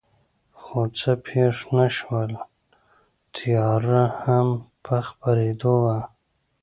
خو څه پېښ نه شول، تیاره هم په خپرېدو وه.